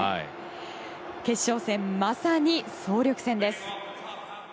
決勝戦まさに総力戦です。